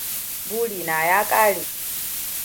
Burina ya ƙare.